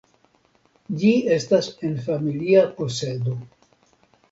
Ĝi estas en familia posedo.